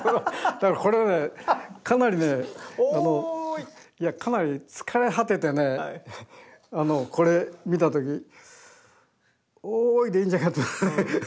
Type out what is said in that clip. だからこれはねかなりね疲れ果ててねこれ見た時「おーい。」でいいんじゃないかとね。